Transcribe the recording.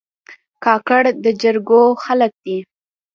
کاکړ د جرګو خلک دي.